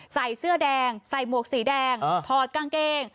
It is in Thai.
ใส่เสื้อแดงใส่หมวกสีแดงถอดกางเกง